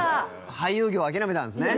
俳優業諦めたんですね。